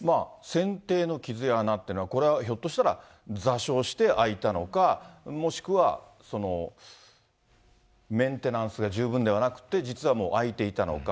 船底の傷や穴というのは、これはひょっとしたら座礁して開いたのか、もしくはメンテナンスが十分ではなくて、実はもう開いていたのか。